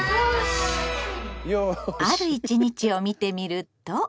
ある一日を見てみると。